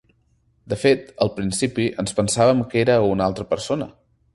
De fet, al principi ens pensàvem que era una altra persona.